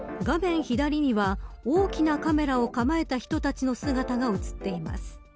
画面左には、大きなカメラを構えた人たちの姿が映っています。